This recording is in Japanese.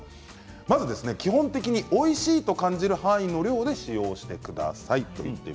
まず基本的においしいと感じる範囲の量で使用してください。